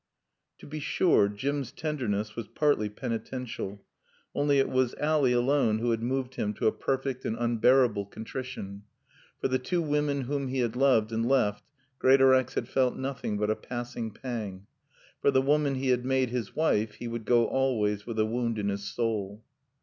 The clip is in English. To be sure Jim's tenderness was partly penitential. Only it was Ally alone who had moved him to a perfect and unbearable contrition. For the two women whom he had loved and left Greatorex had felt nothing but a passing pang. For the woman he had made his wife he would go always with a wound in his soul.